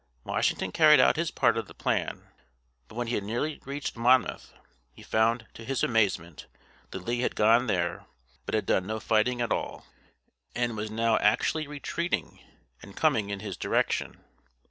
Washington carried out his part of the plan; but when he had nearly reached Monmouth, he found, to his amazement, that Lee had gone there, but had done no fighting at all, and was now actually retreating, and coming in his direction.